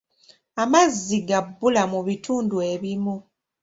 Amazzi ga bbula mu bitundu ebimu.